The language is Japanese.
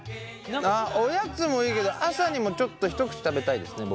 おやつもいいけど朝にもちょっと一口食べたいですね